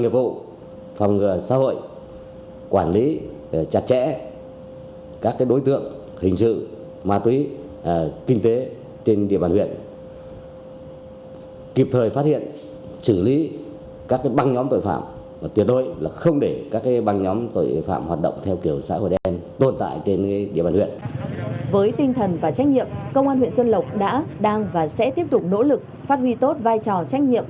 với tinh thần và trách nhiệm công an huyện xuân lộc đã đang và sẽ tiếp tục nỗ lực phát huy tốt vai trò trách nhiệm